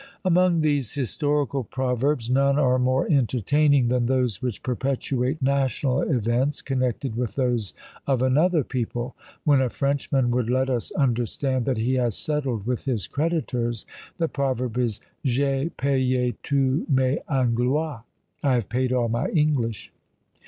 Among these historical proverbs none are more entertaining than those which perpetuate national events, connected with those of another people. When a Frenchman would let us understand that he has settled with his creditors, the proverb is J'ai payé tous mes Anglois: "I have paid all my English."